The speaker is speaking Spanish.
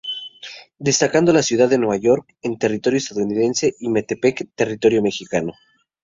Destacando la ciudad de Nueva York en territorio estadounidense y Metepec en territorio mexicano.